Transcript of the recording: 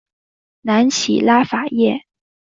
南起拉法叶。